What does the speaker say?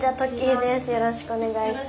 よろしくお願いします。